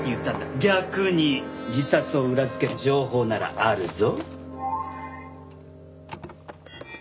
逆に自殺を裏付ける情報ならあるぞ。